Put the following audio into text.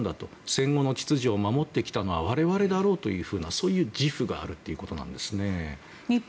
戦後の秩序を守ってきた我々だろうというそういう自負があるということなんですね。